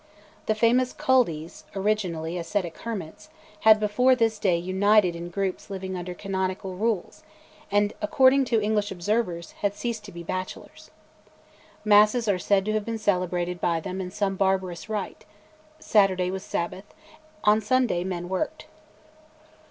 The famous Culdees, originally ascetic hermits, had before this day united in groups living under canonical rules, and, according to English observers, had ceased to be bachelors. Masses are said to have been celebrated by them in some "barbarous rite"; Saturday was Sabbath; on Sunday men worked.